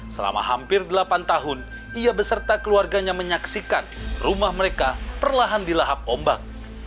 selama hampir delapan tahun ia beserta keluarganya menyaksikan rumah mereka perlahan di lahap ombak